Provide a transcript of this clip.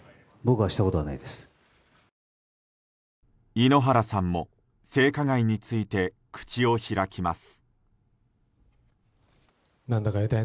井ノ原さんも性加害について口を開きます。